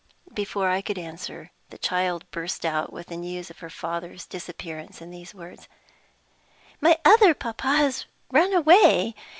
Before I could answer, the child burst out with the news of her father's disappearance in these words: "My other papa has run away!